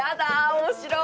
面白い！